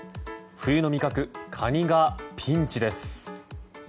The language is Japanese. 冬の味覚、カニがピンチです。